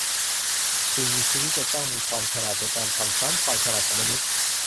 สิ่งมีชีวิตจะต้องมีความฉลาดในการทำซ้ำความฉลาดของมนุษย์